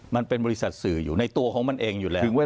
มันเป็นบริษัทสื่ออยู่ในตัวของมันเองอยู่แล้ว